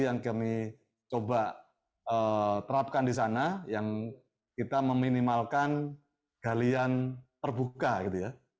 yang kami coba terapkan di sana yang kita meminimalkan galian terbuka gitu ya